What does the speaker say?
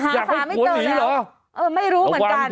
อยากให้หัวหนีเหรอระวังเถอะหาสามิเตอร์แล้วไม่รู้เหมือนกัน